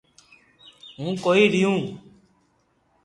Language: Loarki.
ھون ڪوئي رمو